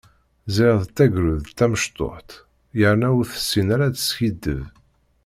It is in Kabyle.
Ziɣ d tagrudt tamecṭuḥt, yerna ur tessin ara ad teskiddeb.